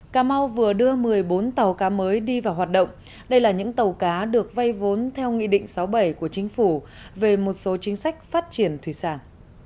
cà mau vừa đưa một mươi bốn tàu cá mới đi vào hoạt động đây là những tàu cá được vay vốn theo nghị định sáu bảy của chính phủ về một số chính sách phát triển thủy sản